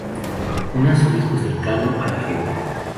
Un Arzobispo cercano a la gente.